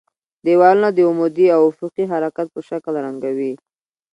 دېوالونه د عمودي او افقي حرکت په شکل رنګوي.